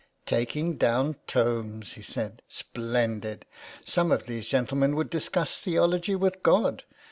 *' Taking down tomes!" he said. " Splendid ! Some of these gentlemen would discuss theology with God.